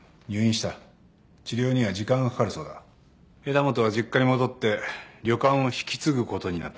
枝元は実家に戻って旅館を引き継ぐことになった。